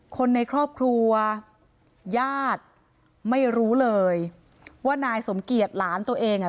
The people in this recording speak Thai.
คนในครอบครัวญาติไม่รู้เลยว่านายสมเกียจหลานตัวเองอ่ะ